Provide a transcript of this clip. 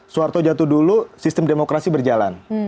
soeharto jatuh dulu sistem demokrasi berjalan